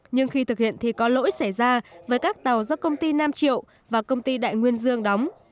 nhưng khi thực hiện thì có lỗi xảy ra với các tàu do công ty nam triệu và công ty đại nguyên dương đóng